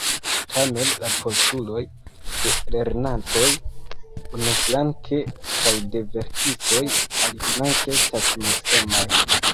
Tamen, la postuloj de lernantoj, unuflanke, kaj de verkistoj, aliflanke, estas malsamaj.